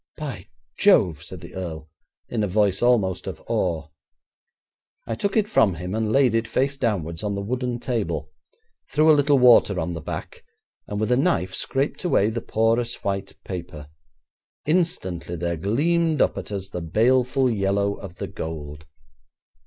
'By Jove!' said the earl, in a voice almost of awe. I took it from him, and laid it, face downwards, on the wooden table, threw a little water on the back, and with a knife scraped away the porous white paper. Instantly there gleamed up at us the baleful yellow of the gold.